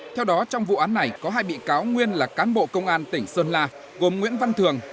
theo đó trong vụ án này có hai bị cáo nguyên là cán bộ công an tỉnh sơn la gồm nguyễn văn thường